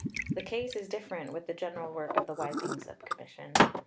The case is different with the general work of the Wiping Sub Commission.